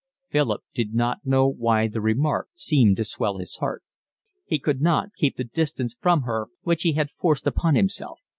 Philip did not know why the remark seemed to swell his heart. He could not keep the distance from her which he had forced upon himself.